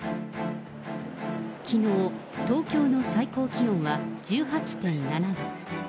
きのう、東京の最高気温は１８．７度。